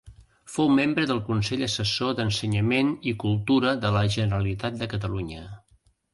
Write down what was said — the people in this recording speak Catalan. Fou membre del Consell Assessor d'Ensenyament i Cultura de la Generalitat de Catalunya.